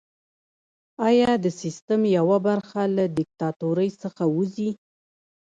ایا د سیستم یوه برخه له دیکتاتورۍ څخه وځي؟